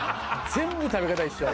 全部食べ方一緒。